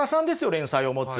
連載を持つ。